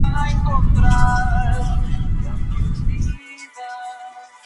Ella decidió regresar a Puerto Rico para seguir practicando en su patria.